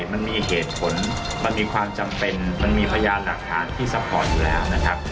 มันมีเหตุผลมันมีความจำเป็นมันมีพยานหลักฐานที่ซัพพอร์ตอยู่แล้วนะครับ